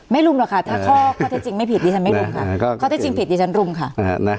ไม่รุ่มหรอกค่ะถ้าข้อเท็จจริงไม่ผิดดิฉันไม่รุ่มค่ะ